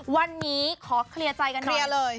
วันนี้ขอเคลียร์ใจกันเรียเลย